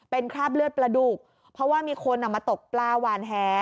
เป็นคราบเลือดประดุกเพราะว่ามีคนมาตกปลาหวานแห